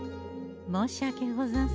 申し訳ござんせん。